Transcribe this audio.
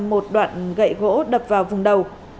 một đoạn gậy gỗ đập vào vùng đầu